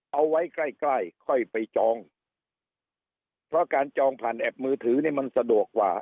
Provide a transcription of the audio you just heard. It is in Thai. เอาไว้ใกล้ใกล้ค่อยไปจองเพราะการจองผ่านแอปมือถือนี่มันสะดวกกว่า